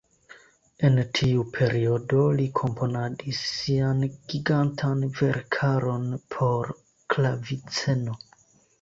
En tiu periodo li komponadis sian gigantan verkaron por klaviceno.